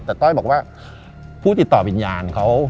แต่ต้อยบอกว่าผู้ติดต่อวิญญาณเขา